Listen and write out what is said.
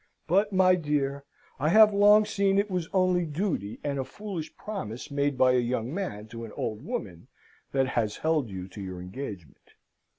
But, my dear, I have long seen it was only duty, and a foolish promise made by a young man to an old woman, that has held you to your engagement.